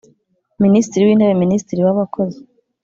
Minisitiri w’Intebe Minisitiri w’Abakozi